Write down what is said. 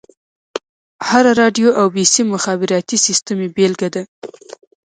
هره راډيو او بيسيم مخابراتي سيسټم يې بېلګه ده.